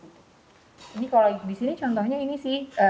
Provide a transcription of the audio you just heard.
ini kalau disini contohnya ini sih